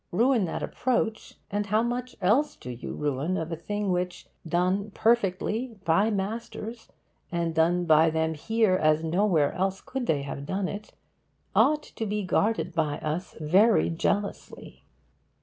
Ruin that approach, and how much else do you ruin of a thing which done perfectly by masters, and done by them here as nowhere else could they have done it ought to be guarded by us very jealously!